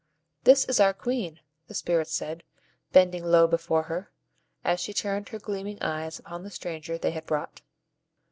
"This is our Queen," the Spirits said, bending low before her, as she turned her gleaming eyes upon the stranger they had brought.